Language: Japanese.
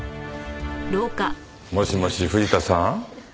もしもし藤田さん？